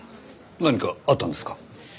何かあったんですか？